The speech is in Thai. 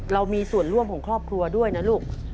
เรามีส่วนร่วมของครอบครัวด้วยนะลูก